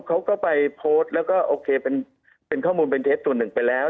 เขาก็ไปโพสต์แล้วก็โอเคเป็นข้อมูลเทป๐๑ไปแล้ว